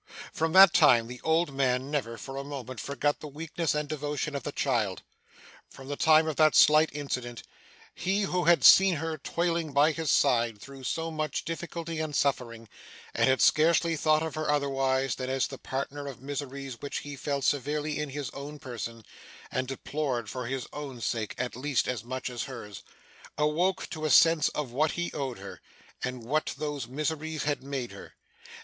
From that time, the old man never, for a moment, forgot the weakness and devotion of the child; from the time of that slight incident, he who had seen her toiling by his side through so much difficulty and suffering, and had scarcely thought of her otherwise than as the partner of miseries which he felt severely in his own person, and deplored for his own sake at least as much as hers, awoke to a sense of what he owed her, and what those miseries had made her.